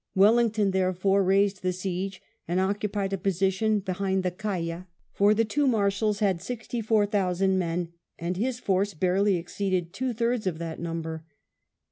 Wellington, therefore, raised the siege, and occupied a position behind the Caya, for the two Marshals had sixty four thousand men, and his force barely exceeded two thirds of that number.